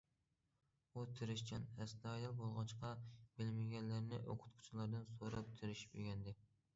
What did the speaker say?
ئۇ تىرىشچان، ئەستايىدىل بولغاچقا، بىلمىگەنلىرىنى ئوقۇتقۇچىلاردىن سوراپ تىرىشىپ ئۆگەندى.